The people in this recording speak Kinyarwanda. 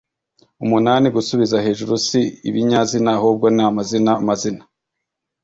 umunani” gusubiza hejuru si ibinyazina ahubwo ni amazina amazina